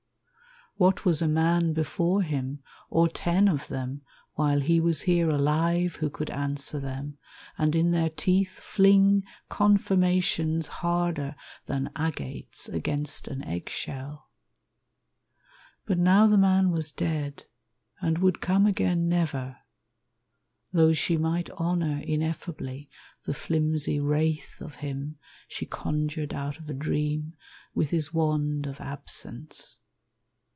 What was a man before him, or ten of them, While he was here alive who could answer them, And in their teeth fling confirmations Harder than agates against an egg shell? But now the man was dead, and would come again Never, though she might honor ineffably The flimsy wraith of him she conjured Out of a dream with his wand of absence.